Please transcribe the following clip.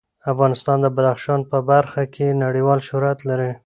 افغانستان د بدخشان په برخه کې نړیوال شهرت لري.